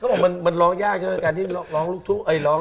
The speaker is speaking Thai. เขาบอกว่ามันร้องยากใช่ไหมการที่ร้องลูกพุ่ง